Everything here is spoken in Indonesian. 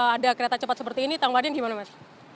ada kereta cepat seperti ini tanggaden gimana mas